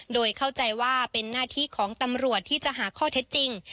โดยเข้าใจว่าเป็นหน้าที่ของตำรวจที่จะหาข้อเท็จจริง